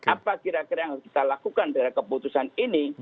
apa kira kira yang harus kita lakukan dari keputusan ini